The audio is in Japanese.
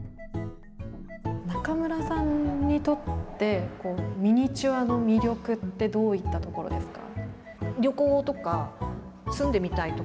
中村さんにとってミニチュアの魅力ってどういったところですか？